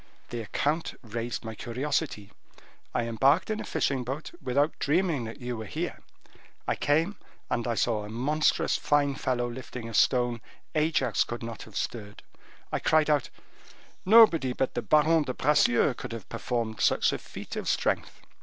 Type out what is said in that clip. The account raised my curiosity, I embarked in a fishing boat, without dreaming that you were here: I came, and I saw a monstrous fine fellow lifting a stone Ajax could not have stirred. I cried out, 'Nobody but the Baron de Bracieux could have performed such a feat of strength.